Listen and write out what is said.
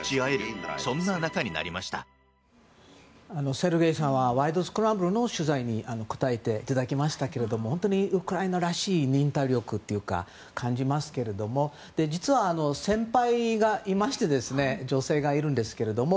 セルゲイさんは「ワイド！スクランブル」の取材に答えていただきましたけれどもウクライナらしい忍耐力というか感じますけれども実は、先輩がいまして女性がいるんですけれども。